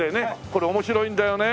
これ面白いんだよね。